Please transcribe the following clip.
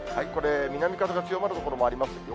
これ、南風が強まる所もあります。